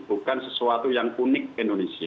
bukan sesuatu yang unik indonesia